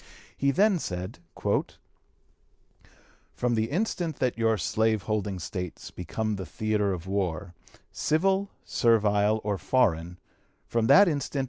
He then said: "From the instant that your slave holding States become the theatre of war, civil, servile, or foreign, from that instant (p.